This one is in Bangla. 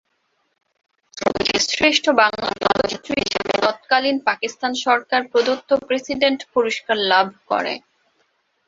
ছবিটি শ্রেষ্ঠ বাংলা চলচ্চিত্র হিসেবে তৎকালীন পাকিস্তান সরকার প্রদত্ত প্রেসিডেন্ট পুরস্কার লাভ করে।